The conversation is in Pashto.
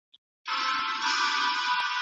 سالم ژوند د فزیکي او ذهني توازن سبب ګرځي.